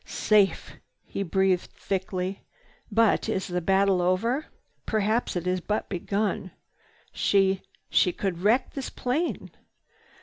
"Safe!" he breathed thickly. "But is the battle over? Perhaps it has but begun. She—she could wreck this plane."